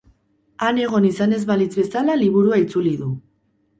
Han egon izan ez balitz bezala liburua itzuli du.